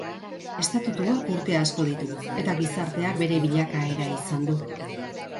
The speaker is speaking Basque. Estatutuak urte asko ditu, eta gizarteak bere bilakaera izan du.